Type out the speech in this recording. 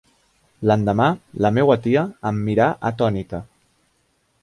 L’endemà, la meua tia em mirà atònita.